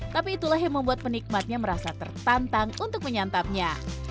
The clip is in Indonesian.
tapi itulah yang membuat penikmatnya merasa tertantang untuk menyantapnya